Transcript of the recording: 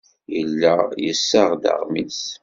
Yella yessaɣ-d aɣmis.